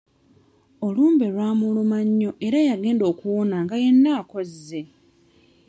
Olumbe lwamuluma nnyo era yagenda okuwona nga yenna akozze.